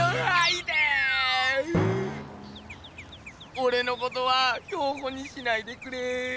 おれのことは標本にしないでくれぇ。